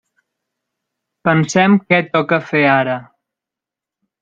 Pensem què toca fer ara.